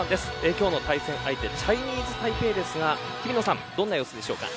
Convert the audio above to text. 今日の対戦相手のチャイニーズタイペイですがどんな様子でしょうか。